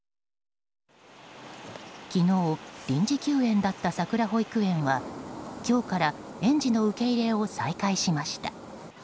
昨日、臨時休園だったさくら保育園は今日から園児の受け入れを再開しました。